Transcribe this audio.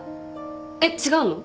えっ違うの？